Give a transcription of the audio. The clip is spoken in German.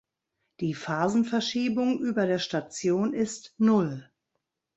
Die Phasenverschiebung über der Station ist Null.